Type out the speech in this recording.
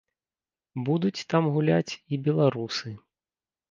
Будуць там гуляць і беларусы.